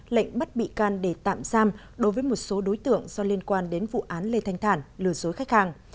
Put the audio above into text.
lệnh bắt bị can để tạm giam đối với một số đối tượng do liên quan đến vụ án lê thanh thản lừa dối khách hàng